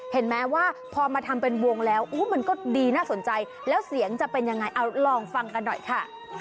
เห็นไหมว่าพอมาทำเป็นวงแล้วมันก็ดีน่าสนใจแล้วเสียงจะเป็นยังไงเอาลองฟังกันหน่อยค่ะ